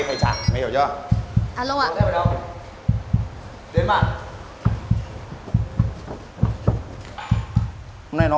em sẽ cố gắng